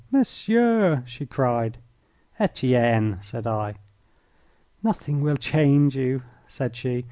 "Monsieur " she cried. "Etienne," said I. "Nothing will change you," said she.